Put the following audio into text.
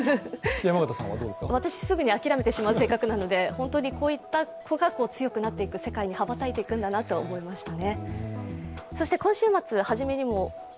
私、すぐに諦めてしまう性格なので本当にこういった子が強くなって、世界に羽ばたいていくんだなと思いましたね。